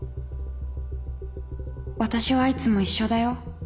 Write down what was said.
私はいつも一緒だよ